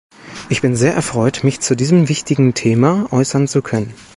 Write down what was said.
Ich bin sehr erfreut, mich zu diesem wichtigen Thema äußern zu können.